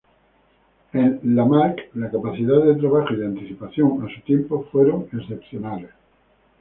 En Lamarck la capacidad de trabajo y de anticipación a su tiempo fueron excepcionales.